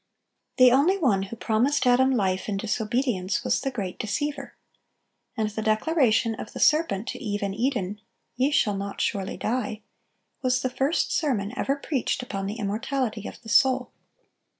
(935) The only one who promised Adam life in disobedience was the great deceiver. And the declaration of the serpent to Eve in Eden,—"Ye shall not surely die,"—was the first sermon ever preached upon the immortality of the soul.